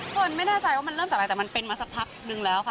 คนไม่แน่ใจว่ามันเริ่มจากอะไรแต่มันเป็นมาสักพักนึงแล้วค่ะ